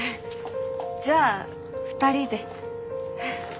じゃあ２人で。